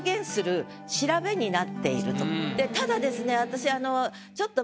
ただですね